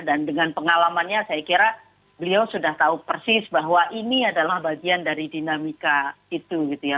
dan dengan pengalamannya saya kira beliau sudah tahu persis bahwa ini adalah bagian dari dinamika itu gitu ya